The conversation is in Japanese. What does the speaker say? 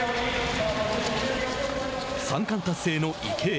三冠達成の池江。